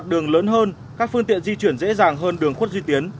đường lớn hơn các phương tiện di chuyển dễ dàng hơn đường khuất duy tiến